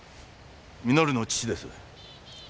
稔の父です。